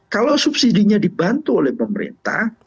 kalau subsidinya dibantu oleh pemerintah